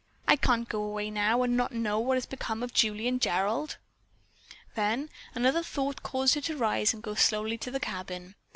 I can't go away now, and not know what has become of Julie and Gerald." Then another thought caused her to rise and go slowly to the cabin.